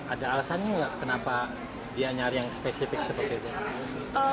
ada alasan kenapa dia nyari yang spesifik seperti itu